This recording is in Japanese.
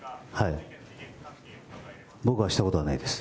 僕はしたことがないです。